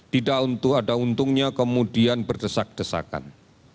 tidak ada untungnya kemudian berdesak desakan